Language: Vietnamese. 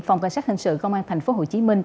phòng cảnh sát hình sự công an tp hcm